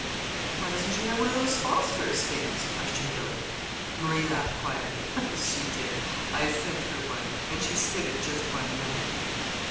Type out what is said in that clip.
"Why doesn't she have one of those phosphorous things?" questioned Billy. Marie laughed quietly. "She did. I sent her one, and she stood it just one night."